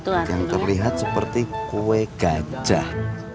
kacang mulet yang terlihat seperti kue gajah